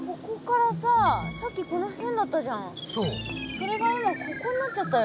それが今ここになっちゃったよ。